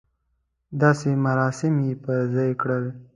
داسې مراسم یې پر ځای کړل.